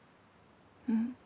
うん。